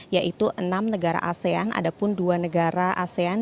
yaitu enam negara asean ada pun dua negara asean